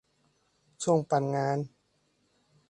ช่วงปั่นงาน